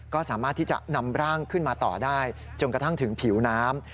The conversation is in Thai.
ก็สามารถที่จะนำร่างขึ้นมาต่อได้จนกระทั่งถึงผิวน้ำ